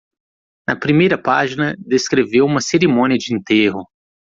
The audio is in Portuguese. Na primeira página descreveu uma cerimônia de enterro.